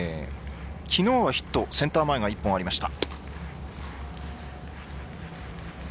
きのうはセンター前ヒットが１本ありました。